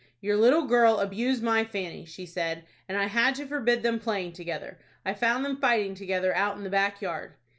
"Your little girl abused my Fanny," she said; "and I had to forbid them playing together. I found them fighting together out in the back yard."